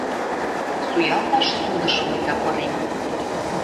Суялташ судыш вуйта пырен.